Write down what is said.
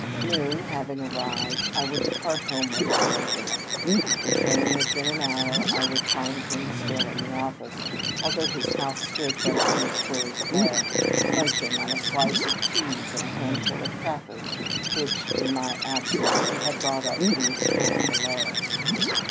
Noon hav ing arrived I would depart homeward for my dinner. Returning within an hour, I would find him still in the office, — although his house stood but a few squares away, — lunching on a slice of 432 TBE LIFE OF LINCOLN. cheese and a handful of crackers which, in my absence, he had brought up from a store below.